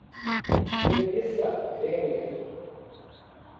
permissa venia